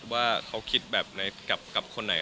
ว่าเขาคิดแบบไหนกับคนไหน